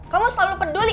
kamu selalu peduli